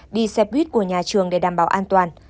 đi xe buýt của nhà trường để đảm bảo an toàn